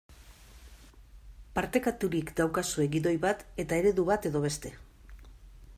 Partekaturik daukazue gidoi bat eta eredu bat edo beste.